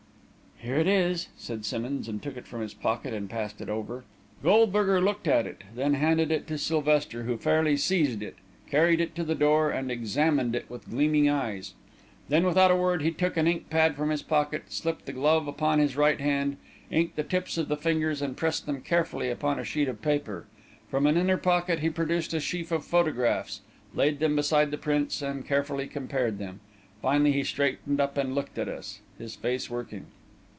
"Here it is," said Simmonds, and took it from his pocket and passed it over. Goldberger looked at it, then handed it to Sylvester, who fairly seized it, carried it to the door, and examined it with gleaming eyes. Then, without a word, he took an ink pad from his pocket, slipped the glove upon his right hand, inked the tips of the fingers and pressed them carefully upon a sheet of paper. From an inner pocket, he produced a sheaf of photographs, laid them beside the prints, and carefully compared them. Finally he straightened up and looked at us, his face working.